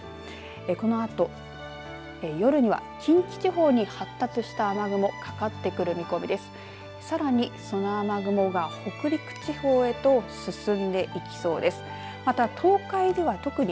このあと夜には近畿地方に発達した雨雲かかってくる見込みです。